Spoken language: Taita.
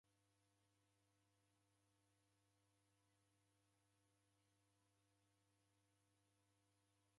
Irinda Jake cha mkundu je ghoka shuu.